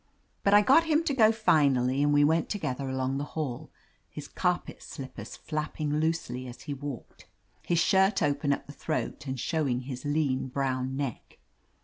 But I got him to go finally, and we went together along the hall, his carpet slippers flap ping loosely as he walked, his shirt open at. the throat and showing his lean brown neck.